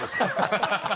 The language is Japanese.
ハハハ！